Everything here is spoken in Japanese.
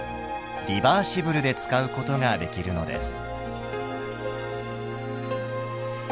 リバーシブルで使うことができるのです。